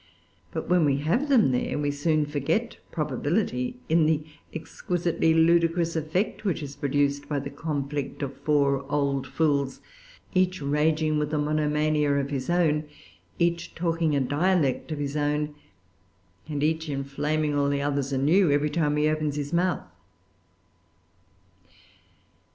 But when we have them there, we soon forget probability in the exquisitely ludicrous effect which is produced by the conflict of four old fools, each raging with a monomania of his own, each talking a dialect of his own, and each inflaming all the others anew every time he opens his mouth.